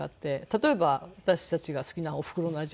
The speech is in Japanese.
例えば私たちが好きなおふくろの味。